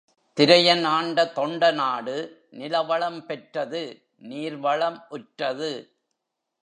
திரையன் ஆண்ட தொண்டை நாடு நிலவளம் பெற்றது நீர் வளம் உற்றது.